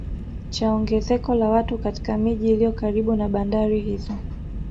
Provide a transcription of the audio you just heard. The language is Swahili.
Cha ongezeko la watu katika miji iliyo karibu na bandari hizo